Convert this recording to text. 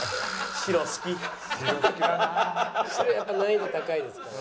白やっぱ難易度高いですからね。